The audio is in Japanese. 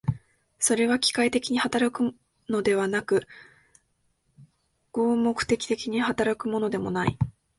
それは機械的に働くのではなく、合目的的に働くのでもない。